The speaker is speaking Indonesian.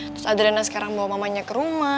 terus adrena sekarang bawa mamanya ke rumah